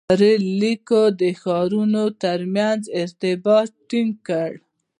• رېل لیکو د ښارونو تر منځ ارتباط ټینګ کړ.